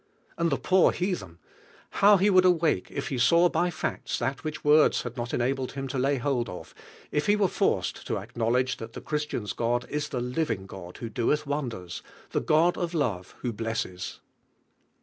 And the poor I in DIVINE HEALING. heatheal How ho would awake if he saw by facts that which words had not en abled him to lay hold of, if he were forced to acknowledge that the Chratiaiva God is the living God who dooth wonders, the God of love who blesses!